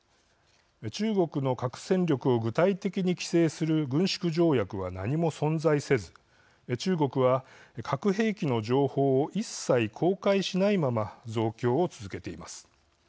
中国の核戦力を具体的に規制する軍縮条約は何も存在せず中国は、核兵器の情報を一切、公開しないまま増強を続けています。